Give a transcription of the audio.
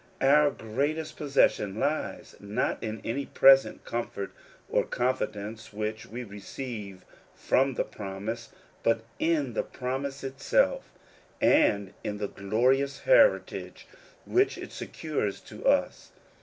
Our greatest possession lies not in any present comfort or confi dence which we receive from the promise, but in the promise itself, and in the glorious heritage which it secures to us.